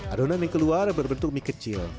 adonan yang keluar berbentuk mie kecil